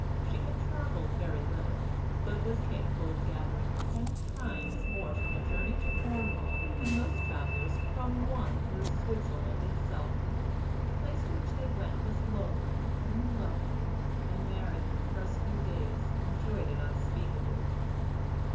She had traveled very little, but was capable of gathering ten times more from a journey to Cornwall than most travelers from one through Switzerland itself. The place to which they went was lonely and lovely, and Mary, for the first few days, enjoyed it unspeakably.